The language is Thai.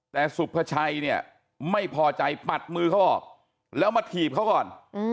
แต่สุภาชัยเนี่ยไม่พอใจปัดมือเขาออกแล้วมาถีบเขาก่อน